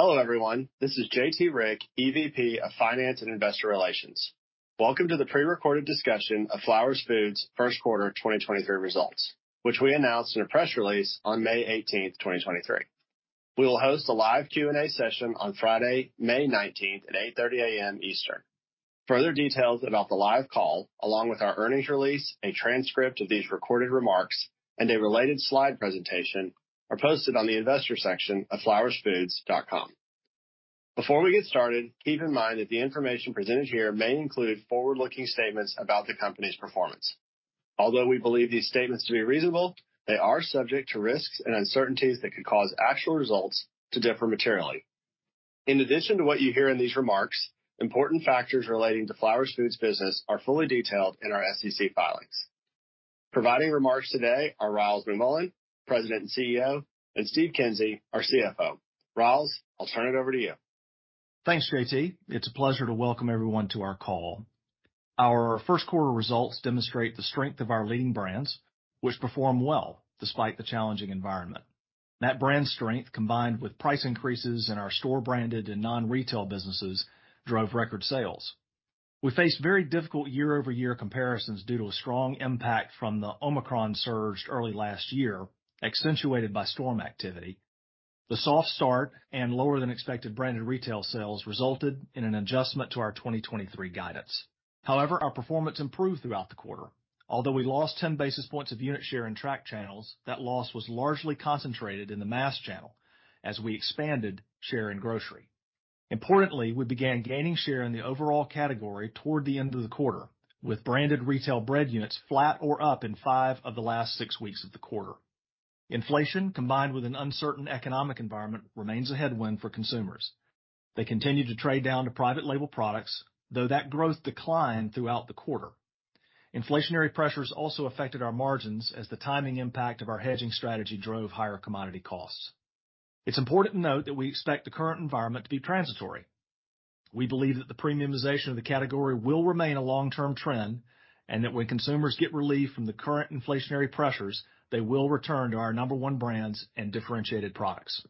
Hello everyone, this is J.T. Rieck, EVP of Finance and Investor Relations. Welcome to the prerecorded discussion of Flowers Foods first quarter 2023 results, which we announced in a press release on May 18, 2023. We will host a live Q&A session on Friday, May 19 at 8:30 A.M. Eastern. Further details about the live call, along with our earnings release, a transcript of these recorded remarks and a related slide presentation are posted on the investor section of flowersfoods.com. Before we get started, keep in mind that the information presented here may include forward-looking statements about the company's performance. Although we believe these statements to be reasonable, they are subject to risks and uncertainties that could cause actual results to differ materially. In addition to what you hear in these remarks, important factors relating to Flowers Foods business are fully detailed in our SEC filings. Providing remarks today are Ryals McMullian, President and CEO, and Steve Kinsey, our CFO. Ryals, I'll turn it over to you. Thanks, J.T. It's a pleasure to welcome everyone to our call. Our first quarter results demonstrate the strength of our leading brands, which perform well despite the challenging environment. That brand strength, combined with price increases in our store branded and non-retail businesses, drove record sales. We faced very difficult year-over-year comparisons due to a strong impact from the Omicron surge early last year, accentuated by storm activity. The soft start and lower than expected branded retail sales resulted in an adjustment to our 2023 guidance. However, our performance improved throughout the quarter. Although we lost 10 basis points of unit share in track channels, that loss was largely concentrated in the mass channel as we expanded share in grocery. Importantly, we began gaining share in the overall category toward the end of the quarter, with branded retail bread units flat or up in five of the last six weeks of the quarter. Inflation, combined with an uncertain economic environment, remains a headwind for consumers. They continue to trade down to private label products, though that growth declined throughout the quarter. Inflationary pressures also affected our margins as the timing impact of our hedging strategy drove higher commodity costs. It's important to note that we expect the current environment to be transitory. We believe that the premiumization of the category will remain a long-term trend, and that when consumers get relief from the current inflationary pressures, they will return to our number one brands and differentiated products.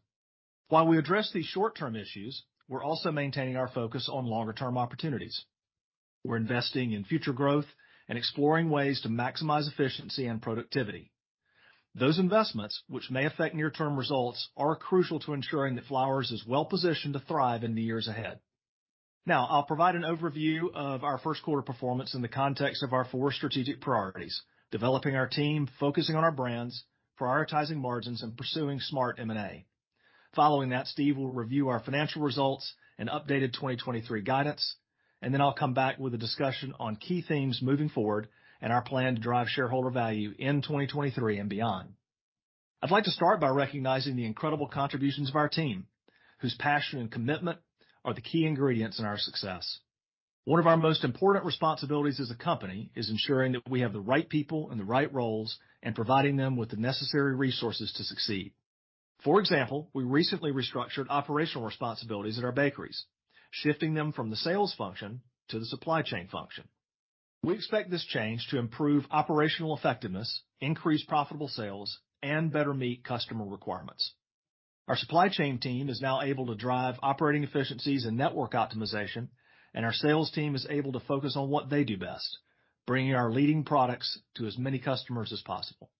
While we address these short-term issues, we're also maintaining our focus on longer term opportunities. We're investing in future growth and exploring ways to maximize efficiency and productivity. Those investments, which may affect near term results, are crucial to ensuring that Flowers is well positioned to thrive in the years ahead. Now, I'll provide an overview of our first quarter performance in the context of our four strategic priorities, developing our team, focusing on our brands, prioritizing margins, and pursuing smart M&A. Following that, Steve will review our financial results and updated 2023 guidance, and then I'll come back with a discussion on key themes moving forward and our plan to drive shareholder value in 2023 and beyond. I'd like to start by recognizing the incredible contributions of our team, whose passion and commitment are the key ingredients in our success. One of our most important responsibilities as a company is ensuring that we have the right people in the right roles and providing them with the necessary resources to succeed. For example, we recently restructured operational responsibilities at our bakeries, shifting them from the sales function to the supply chain function. We expect this change to improve operational effectiveness, increase profitable sales, and better meet customer requirements. Our supply chain team is now able to drive operating efficiencies and network optimization, and our sales team is able to focus on what they do best, bringing our leading products to as many customers as possible.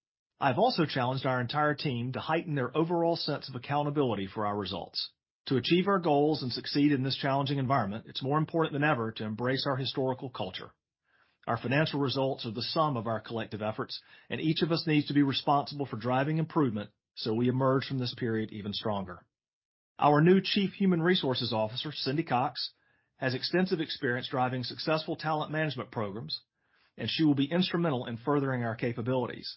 I've also challenged our entire team to heighten their overall sense of accountability for our results. To achieve our goals and succeed in this challenging environment, it's more important than ever to embrace our historical culture. Our financial results are the sum of our collective efforts, and each of us needs to be responsible for driving improvement so we emerge from this period even stronger. Our new Chief Human Resources Officer, Cindy Cox, has extensive experience driving successful talent management programs, and she will be instrumental in furthering our capabilities.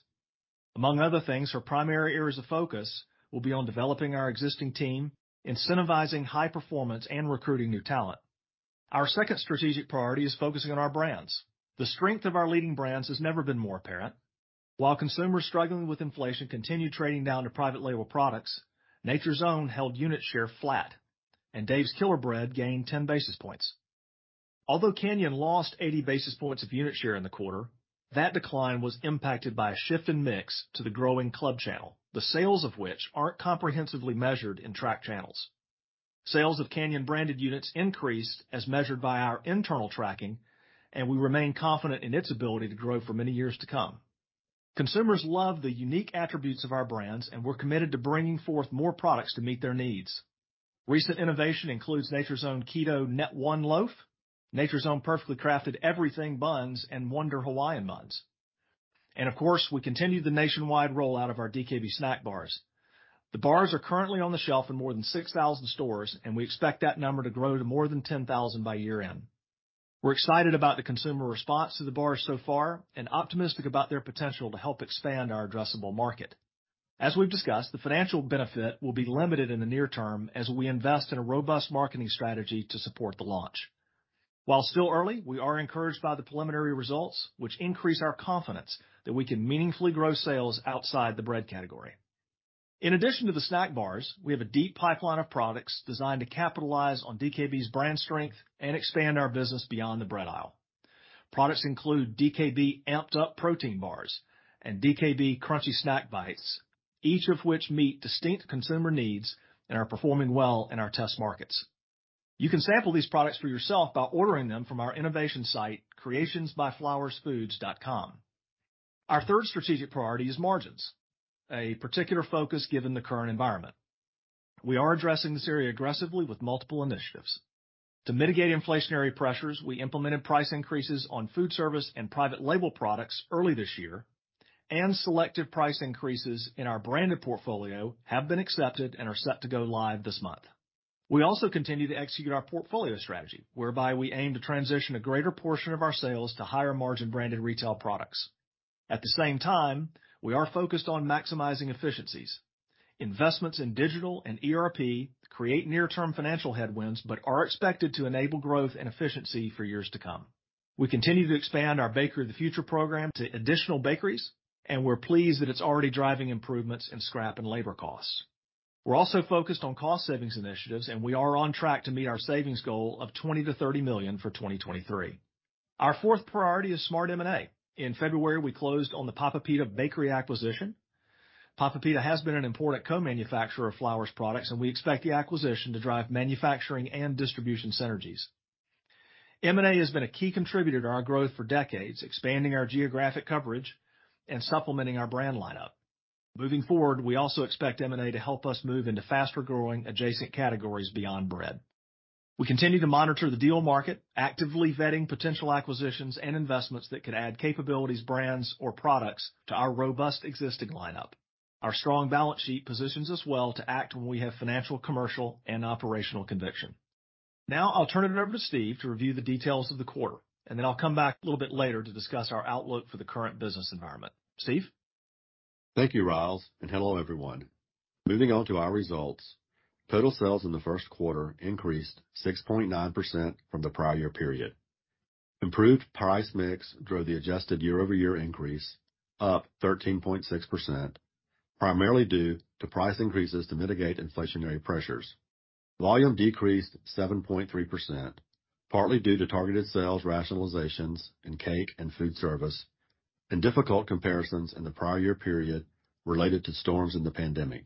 Among other things, her primary areas of focus will be on developing our existing team, incentivizing high performance, and recruiting new talent. Our second strategic priority is focusing on our brands. The strength of our leading brands has never been more apparent. While consumers struggling with inflation continue trading down to private label products, Nature's Own held unit share flat, and Dave's Killer Bread gained 10 basis points. Although Canyon lost 80 basis points of unit share in the quarter, that decline was impacted by a shift in mix to the growing club channel, the sales of which aren't comprehensively measured in track channels. Sales of Canyon branded units increased as measured by our internal tracking, and we remain confident in its ability to grow for many years to come. Consumers love the unique attributes of our brands, and we're committed to bringing forth more products to meet their needs. Recent innovation includes Nature's Own Keto Net One Loaf, Nature's Own Perfectly Crafted Everything Buns, and Wonder Hawaiian Buns. Of course, we continue the nationwide rollout of our DKB snack bars. The bars are currently on the shelf in more than 6,000 stores, and we expect that number to grow to more than 10,000 by year-end. We're excited about the consumer response to the bars so far and optimistic about their potential to help expand our addressable market. As we've discussed, the financial benefit will be limited in the near term as we invest in a robust marketing strategy to support the launch. While still early, we are encouraged by the preliminary results, which increase our confidence that we can meaningfully grow sales outside the bread category. In addition to the snack bars, we have a deep pipeline of products designed to capitalize on DKB's brand strength and expand our business beyond the bread aisle. Products include DKB Amped-Up Protein Bars and DKB Crunchy Snack Bites, each of which meet distinct consumer needs and are performing well in our test markets. You can sample these products for yourself by ordering them from our innovation site, creationsbyflowersfoods.com. Our third strategic priority is margins, a particular focus given the current environment. We are addressing this area aggressively with multiple initiatives. To mitigate inflationary pressures, we implemented price increases on food service and private label products early this year, and selective price increases in our branded portfolio have been accepted and are set to go live this month. We also continue to execute our portfolio strategy, whereby we aim to transition a greater portion of our sales to higher margin branded retail products. At the same time, we are focused on maximizing efficiencies. Investments in digital and ERP create near-term financial headwinds, but are expected to enable growth and efficiency for years to come. We continue to expand our Bakery of the Future program to additional bakeries, and we're pleased that it's already driving improvements in scrap and labor costs. We're also focused on cost savings initiatives. We are on track to meet our savings goal of $20 million-$30 million for 2023. Our fourth priority is smart M&A. In February, we closed on the Papa Pita Bakery acquisition. Papa Pita has been an important co-manufacturer of Flowers products, and we expect the acquisition to drive manufacturing and distribution synergies. M&A has been a key contributor to our growth for decades, expanding our geographic coverage and supplementing our brand lineup. Moving forward, we also expect M&A to help us move into faster growing adjacent categories beyond bread. We continue to monitor the deal market, actively vetting potential acquisitions and investments that could add capabilities, brands or products to our robust existing lineup. Our strong balance sheet positions us well to act when we have financial, commercial and operational conviction. I'll turn it over to Steve to review the details of the quarter, and then I'll come back a little bit later to discuss our outlook for the current business environment. Steve? Thank you, Ryals, and hello, everyone. Moving on to our results. Total sales in the first quarter increased 6.9% from the prior year period. Improved price mix drove the adjusted year-over-year increase up 13.6%, primarily due to price increases to mitigate inflationary pressures. Volume decreased 7.3%, partly due to targeted sales rationalizations in cake and food service and difficult comparisons in the prior year period related to storms and the pandemic.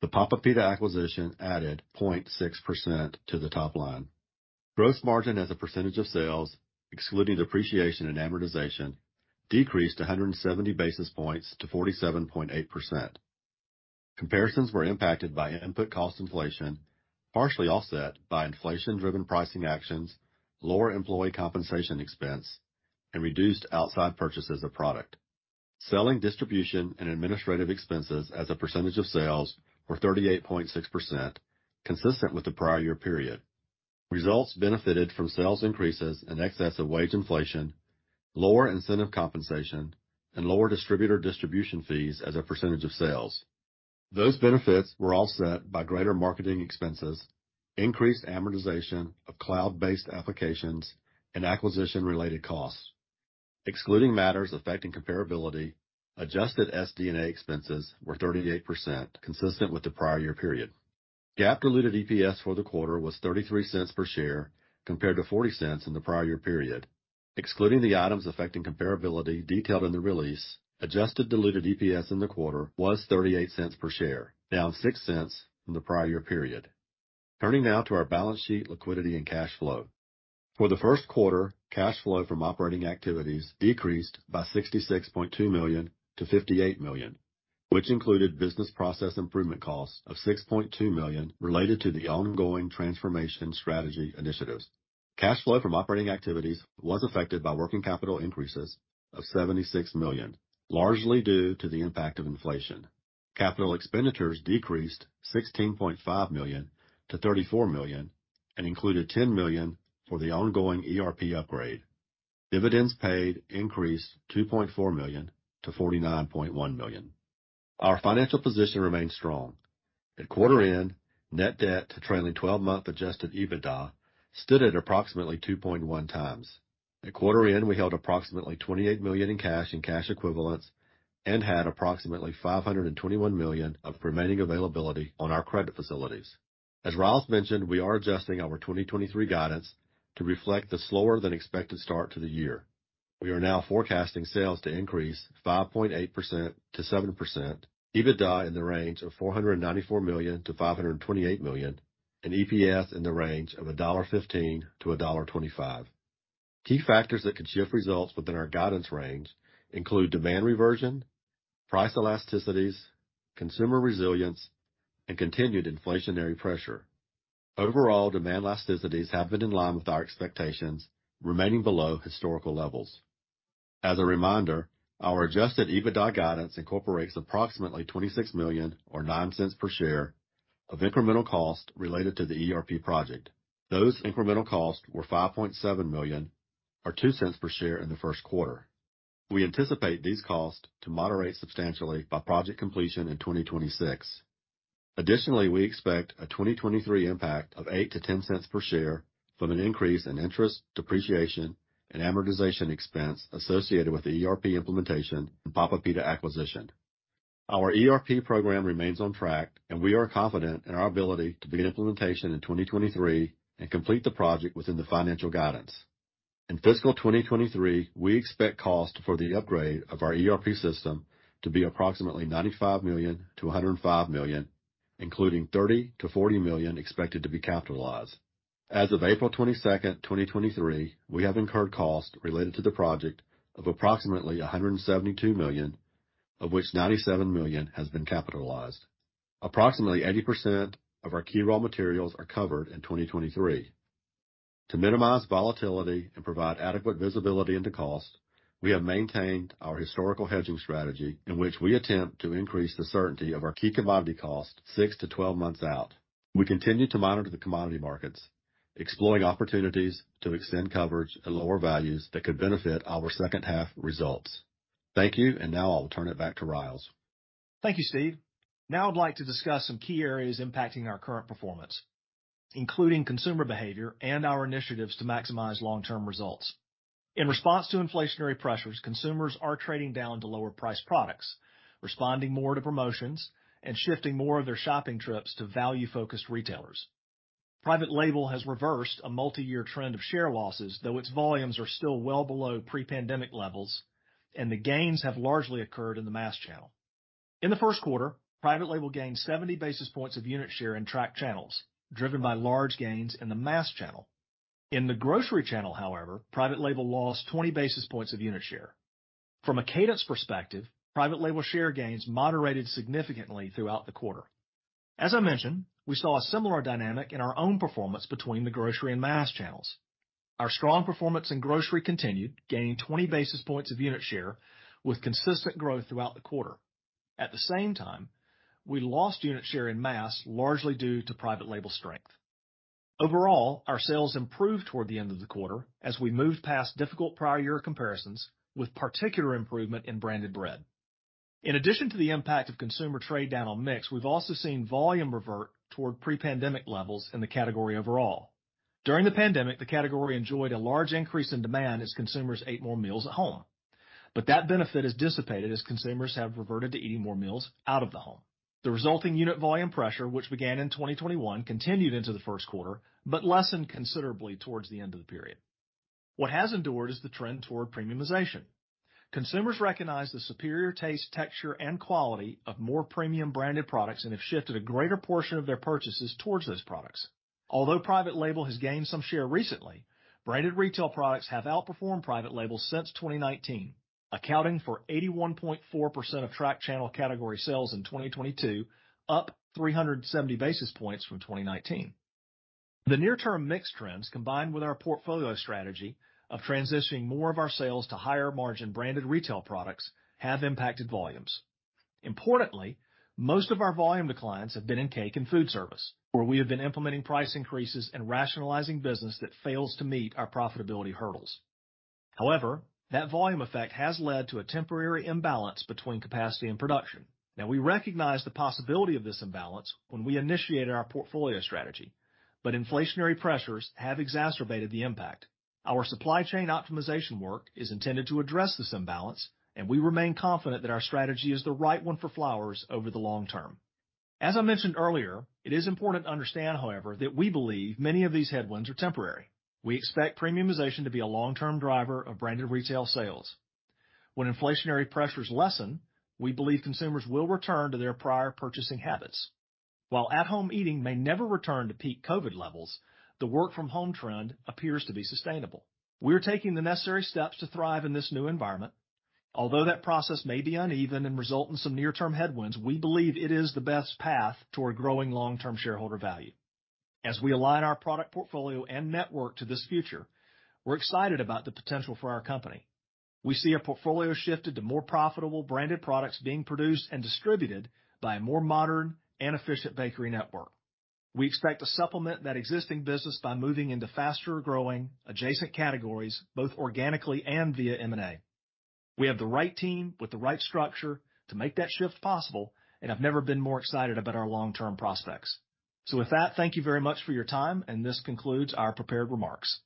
The Papa Pita acquisition added 0.6% to the top line. Gross margin as a percentage of sales, excluding depreciation and amortization, decreased 170 basis points to 47.8%. Comparisons were impacted by input cost inflation, partially offset by inflation-driven pricing actions, lower employee compensation expense, and reduced outside purchases of product. Selling, distribution, and administrative expenses as a percentage of sales were 38.6%, consistent with the prior year period. Results benefited from sales increases in excess of wage inflation, lower incentive compensation, and lower distributor distribution fees as a percentage of sales. Those benefits were offset by greater marketing expenses, increased amortization of cloud-based applications and acquisition related costs. Excluding matters affecting comparability, adjusted SD&A expenses were 38% consistent with the prior year period. GAAP diluted EPS for the quarter was $0.33 per share, compared to $0.40 in the prior year period. Excluding the items affecting comparability detailed in the release, adjusted diluted EPS in the quarter was $0.38 per share, down $0.06 from the prior year period. Turning now to our balance sheet, liquidity and cash flow. For the first quarter, cash flow from operating activities decreased by $66.2 million to $58 million, which included business process improvement costs of $6.2 million related to the ongoing transformation strategy initiatives. Cash flow from operating activities was affected by working capital increases of $76 million, largely due to the impact of inflation. Capital expenditures decreased $16.5 million to $34 million and included $10 million for the ongoing ERP upgrade. Dividends paid increased $2.4 million to $49.1 million. Our financial position remains strong. At quarter end, net debt to trailing twelve-month adjusted EBITDA stood at approximately 2.1 times. At quarter end, we held approximately $28 million in cash and cash equivalents and had approximately $521 million of remaining availability on our credit facilities. As Ryals mentioned, we are adjusting our 2023 guidance to reflect the slower than expected start to the year. We are now forecasting sales to increase 5.8%-7%, EBITDA in the range of $494 million-$528 million, and EPS in the range of $1.15-$1.25. Key factors that could shift results within our guidance range include demand reversion, price elasticities, consumer resilience, and continued inflationary pressure. Overall demand elasticities have been in line with our expectations remaining below historical levels. As a reminder, our adjusted EBITDA guidance incorporates approximately $26 million or $0.09 per share of incremental cost related to the ERP project. Those incremental costs were $5.7 million or $0.02 per share in the first quarter. We anticipate these costs to moderate substantially by project completion in 2026. We expect a 2023 impact of $0.08-$0.10 per share from an increase in interest, depreciation and amortization expense associated with the ERP implementation and Papa Pita acquisition. Our ERP program remains on track. We are confident in our ability to begin implementation in 2023 and complete the project within the financial guidance. In fiscal 2023, we expect costs for the upgrade of our ERP system to be approximately $95 million-$105 million, including $30 million-$40 million expected to be capitalized. As of April 22, 2023, we have incurred costs related to the project of approximately $172 million, of which $97 million has been capitalized. Approximately 80% of our key raw materials are covered in 2023. To minimize volatility and provide adequate visibility into cost, we have maintained our historical hedging strategy in which we attempt to increase the certainty of our key commodity costs six to 12 months out. We continue to monitor the commodity markets, exploring opportunities to extend coverage at lower values that could benefit our second half results. Thank you. Now I'll turn it back to Ryals. Thank you, Steve. Now I'd like to discuss some key areas impacting our current performance, including consumer behavior and our initiatives to maximize long-term results. In response to inflationary pressures, consumers are trading down to lower price products, responding more to promotions, and shifting more of their shopping trips to value-focused retailers. Private label has reversed a multi-year trend of share losses, though its volumes are still well below pre-pandemic levels, and the gains have largely occurred in the mass channel. In the 1st quarter, private label gained 70 basis points of unit share in tracked channels, driven by large gains in the mass channel. In the grocery channel, however, private label lost 20 basis points of unit share. From a cadence perspective, private label share gains moderated significantly throughout the quarter. As I mentioned, we saw a similar dynamic in our own performance between the grocery and mass channels. Our strong performance in grocery continued, gaining 20 basis points of unit share with consistent growth throughout the quarter. At the same time, we lost unit share in mass, largely due to private label strength. Overall, our sales improved toward the end of the quarter as we moved past difficult prior year comparisons, with particular improvement in branded bread. In addition to the impact of consumer trade down on mix, we've also seen volume revert toward pre-pandemic levels in the category overall. During the pandemic, the category enjoyed a large increase in demand as consumers ate more meals at home. That benefit has dissipated as consumers have reverted to eating more meals out of the home. The resulting unit volume pressure, which began in 2021, continued into the first quarter, but lessened considerably towards the end of the period. What has endured is the trend toward premiumization. Consumers recognize the superior taste, texture, and quality of more premium branded products and have shifted a greater portion of their purchases towards those products. Although private label has gained some share recently, branded retail products have outperformed private labels since 2019, accounting for 81.4% of tracked channel category sales in 2022, up 370 basis points from 2019. The near term mix trends, combined with our portfolio strategy of transitioning more of our sales to higher margin branded retail products, have impacted volumes. Importantly, most of our volume declines have been in cake and food service, where we have been implementing price increases and rationalizing business that fails to meet our profitability hurdles. However, that volume effect has led to a temporary imbalance between capacity and production. Now, we recognize the possibility of this imbalance when we initiated our portfolio strategy, but inflationary pressures have exacerbated the impact. Our supply chain optimization work is intended to address this imbalance, and we remain confident that our strategy is the right one for Flowers over the long term. As I mentioned earlier, it is important to understand, however, that we believe many of these headwinds are temporary. We expect premiumization to be a long-term driver of branded retail sales. When inflationary pressures lessen, we believe consumers will return to their prior purchasing habits. While at-home eating may never return to peak Covid levels, the work from home trend appears to be sustainable. We are taking the necessary steps to thrive in this new environment. Although that process may be uneven and result in some near-term headwinds, we believe it is the best path toward growing long-term shareholder value. As we align our product portfolio and network to this future, we're excited about the potential for our company. We see our portfolio shifted to more profitable branded products being produced and distributed by a more modern and efficient bakery network. We expect to supplement that existing business by moving into faster growing adjacent categories, both organically and via M&A. We have the right team with the right structure to make that shift possible, and I've never been more excited about our long-term prospects. With that, thank you very much for your time, and this concludes our prepared remarks.